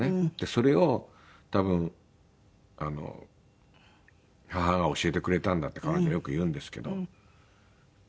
「それを多分母が教えてくれたんだ」って彼女はよく言うんですけど。